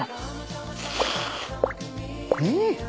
うん。